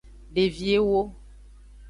Devi ewo.